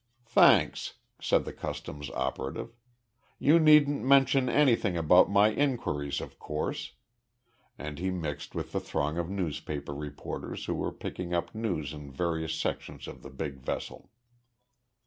"Thanks," said the customs operative. "You needn't mention anything about my inquiries, of course," and he mixed with the throng of newspaper reporters who were picking up news in various sections of the big vessel.